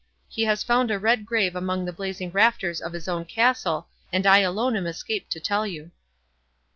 He has found a red grave among the blazing rafters of his own castle and I alone am escaped to tell you."